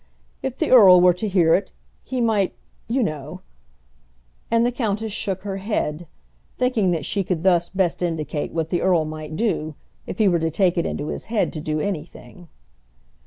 If the earl were to hear it, he might, you know " And the countess shook her head, thinking that she could thus best indicate what the earl might do, if he were to take it into his head to do anything.